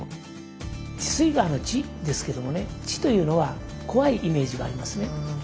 血吸川の血ですけどもね血というのは怖いイメージがありますね。